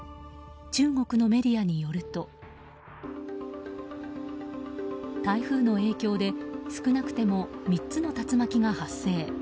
中国のメディアによると台風の影響で少なくとも３つの竜巻が発生。